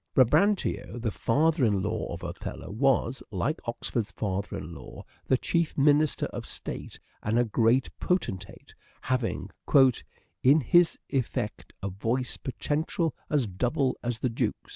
Brabantio, the father in law of Othello was, like Oxford's father in law, the chief minister of state and a great potentate, having " in his effect a voice potential as double as the duke's."